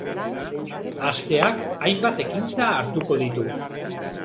Asteak hainbat ekintza hartuko ditu.